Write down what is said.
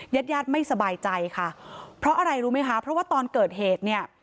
ญาติญาติไม่สบายใจค่ะเพราะอะไรรู้ไหมคะเพราะว่าตอนเกิดเหตุเนี่ย